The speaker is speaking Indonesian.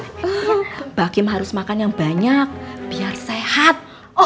mbak kim harus makan yang banyak biar sehat